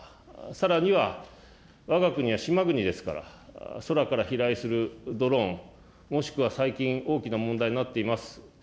さらにはわが国は島国ですから、空から飛来するドローン、もしくは最近大きな問題になっています、